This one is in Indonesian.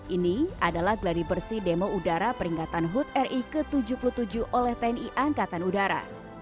ini adalah gladi bersih demo udara peringatan hud ri ke tujuh puluh tujuh oleh tni angkatan udara